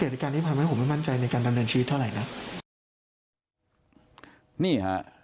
เท่าเกตการณ์ที่แผ่งให้ผมไม่มั่นใจในการดำเนินชีวิตเท่าไรนะ